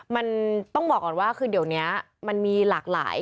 มันต้องบอกก่อนว่าคือเดี๋ยวนี้มันมีหลากหลาย